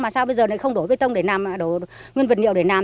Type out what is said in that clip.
mà sao bây giờ lại không đổ bê tông để nằm đổ nguyên vật liệu để nằm